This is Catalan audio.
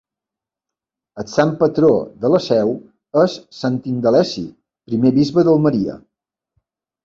El sant patró de la seu es Sant Indaleci, primer bisbe d'Almeria.